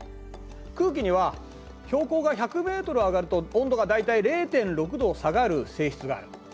空気には標高が１００ｍ上がると温度が大体０．６度下がる性質がある。